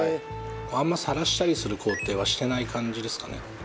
あんまさらしたりする工程はしてない感じですかね？